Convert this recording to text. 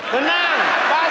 menang pasti menang